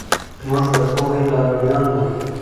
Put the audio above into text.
موږ د پوهې لارویان یو.